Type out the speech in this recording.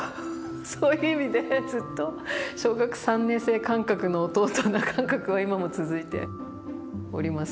そういう意味でずっと小学３年生感覚の弟な感覚が今も続いております。